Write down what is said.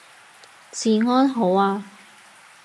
治安好啊